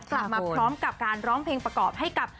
กลับมาพร้อมกับการร้องเพลงประกอบให้กับ